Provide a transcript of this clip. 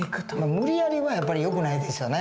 無理やりはやっぱりよくないですよね。